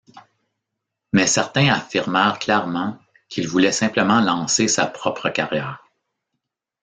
Mais certains affirmèrent clairement qu'il voulait simplement lancer sa propre carrière.